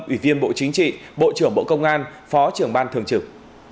ủy viên bộ chính trị bộ trưởng bộ công an phó trưởng ban thường trực